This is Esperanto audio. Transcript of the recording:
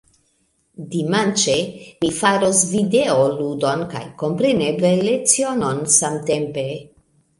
Dimanĉe, mi faros videoludon kaj kompreneble lecionon samtempe.